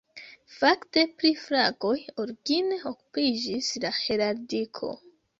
Fakte pri flagoj origine okupiĝis la heraldiko.